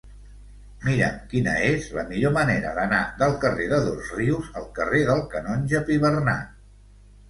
Mira'm quina és la millor manera d'anar del carrer de Dosrius al carrer del Canonge Pibernat.